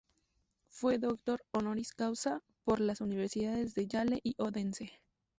Fue doctor "honoris causa" por las universidades de Yale y Odense.